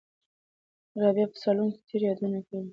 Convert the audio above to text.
رابعه په صالون کې تېر یادونه کوي.